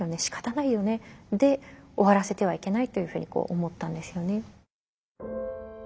しかたないよね」で終わらせてはいけないというふうに思ったんですよね。